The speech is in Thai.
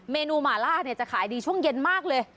เมนูหมาล่าเนี่ยจะขายดีช่วงเย็นมากเลย